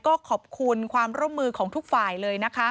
ก็ขอบคุณความร่วมมือของทุกฝ่ายเลยนะคะ